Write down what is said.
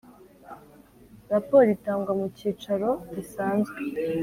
Raporo itangwa mu cyicaro gisanzwe.